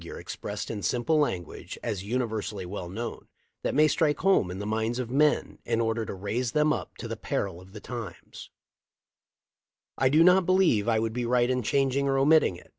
I want to use some universally known figure expressed in simple language as universally well known, that may strike home to the minds of men in order to raise them up to the peril of the times. I do not believe I would be right in changing or omitting it.